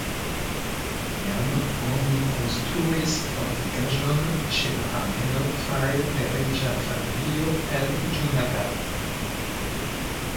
Iam oni konstruis fortikaĵon ĉe la haveno fare de reĝa familio el Ĝunagad.